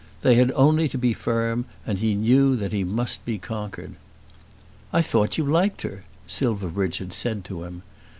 They had only to be firm and he knew that he must be conquered. "I thought that you liked her," Silverbridge had said to him.